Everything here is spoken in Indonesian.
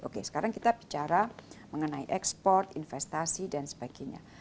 oke sekarang kita bicara mengenai ekspor investasi dan sebagainya